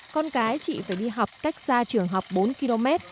con cái chị phải đi học cách xa trường học bốn km